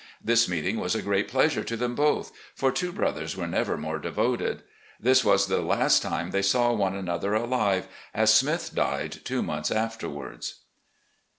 This meeting was a great pleasure to them both, for two brothers were never more devoted. This was the last time they saw one another alive, as Smith died two months afterward.